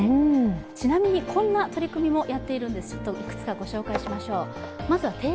ちなみにこんな取り組みもやっているので、いくつかご紹介しましょう。